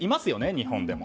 日本でも。